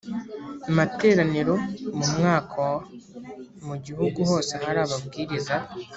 materaniro mu mwaka wa mu gihugu hose hari ababwiriza